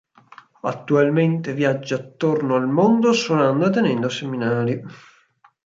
Attualmente viaggia attorno al mondo suonando e tenendo seminari.